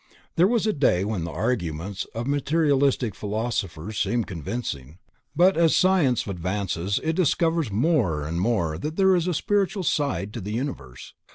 _ There was a day when the arguments of Materialistic philosophers seemed convincing, but as science advances it discovers more and more that there is a spiritual side to the universe.